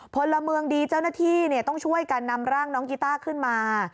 พลเมืองดีเจ้าหน้าที่ต้องช่วยกันนำร่างน้องกีต้าขึ้นมา